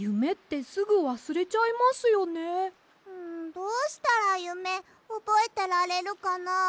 どうしたらゆめおぼえてられるかな？